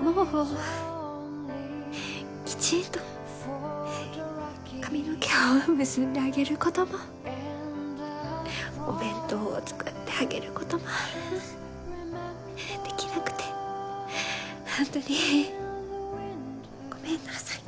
もうきちんと髪の毛を結んであげることもお弁当を作ってあげることもできなくて本当にごめんなさい。